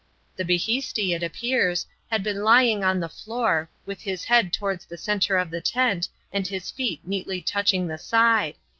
The bhisti, it appears, had been lying on the floor, with his head towards the centre of the tent and his feet neatly touching the side.